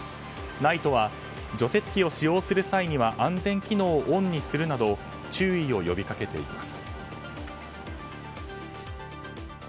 ＮＩＴＥは除雪機を使用する際には安全機能をオンにするなど注意を呼びかけています。